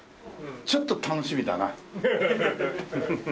ちょっと楽しみだな。